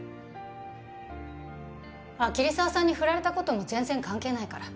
あっ桐沢さんにフラれた事も全然関係ないから。